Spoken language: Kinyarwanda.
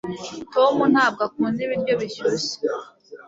tom ntabwo akunda ibiryo bishyushye